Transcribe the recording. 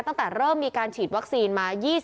ตั้งแต่เริ่มมีการฉีดวัคซีนมา